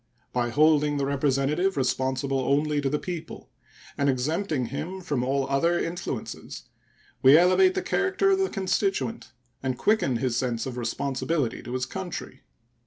By holding the representative responsible only to the people, and exempting him from all other influences, we elevate the character of the constituent and quicken his sense of responsibility to his country.